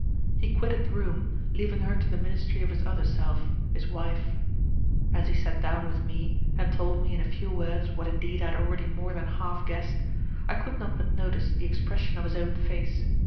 He quitted the room, leaving her to the ministry of his other self, his wife. As he sat down with me, and told me in a few words what indeed I had already more than half guessed, I could not but notice the expression of his own face.